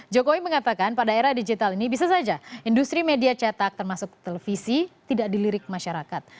jokowi mengatakan pada era digital ini bisa saja industri media cetak termasuk televisi tidak dilirik masyarakat